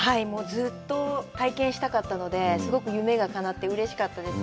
ずっと体験したかったので、すごく夢がかなって、うれしかったです。